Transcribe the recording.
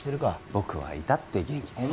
僕は至って元気です